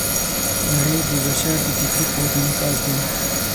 نړۍ د بشر د فکري قوت انعکاس دی.